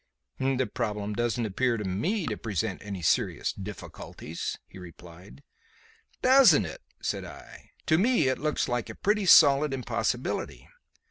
"The problem doesn't appear to me to present any serious difficulties," he replied. "Doesn't it?" said I. "To me it looks like a pretty solid impossibility.